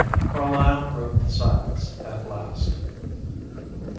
Carlyle broke the silence at last.